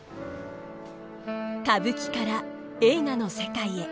歌舞伎から映画の世界へ。